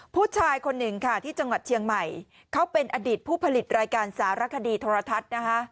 ผู้ชายคนหนึ่งค่ะที่จังหวัดเชียงใหม่เขาเป็นอดีตผู้ผลิตรายการสารคดีโทรทัศน์นะคะ